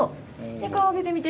で顔上げてみて。